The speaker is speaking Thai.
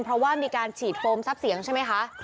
เพราะว่ามีการฉีดโฟมทรัพย์เสียงใช่ไหมคะ